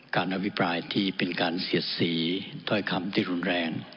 อภิปรายที่เป็นการเสียดสีถ้อยคำที่รุนแรง